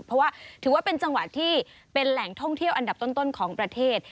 เพราะว่าถือว่าเป็นจังหวัดที่เป็นแหล่งท่องเที่ยวอันดับต้นของประเทศ